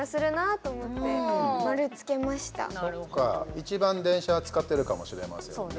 一番、電車は使ってるかもしれませんね。